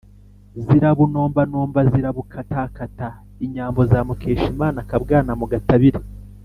Zirabunombanomba zirabukatakata inyambo za Mukeshimana-Akabwana mu gatabire.